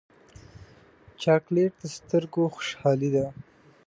چاکلېټ د سترګو خوشحالي ده.